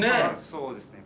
そうですね。